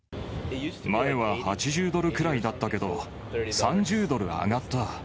前は８０ドルくらいだったけど、３０ドル上がった。